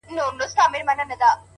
• په وينو لژنده اغيار وچاته څه وركوي ـ